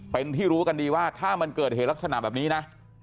เป็นที่รู้กันดีว่าถ้ามันเกิดเหตุลักษณะแบบนี้นะ